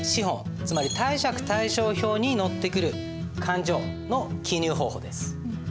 つまり貸借対照表に載ってくる勘定の記入方法です。